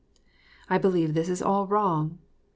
I believe this is all wrong.